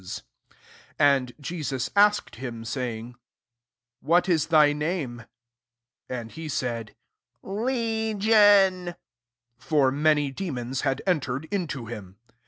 SO And Jesus asked him, saying " What is thy name ?'' And he said, "Legion:" (for many demons had entered into him.)